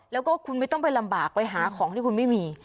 แล้วก็คุณไม่ต้องไปลำบากไปหาของที่คุณไม่มี